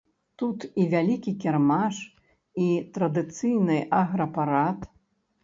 Тут і вялікі кірмаш, і традыцыйны аграпарад.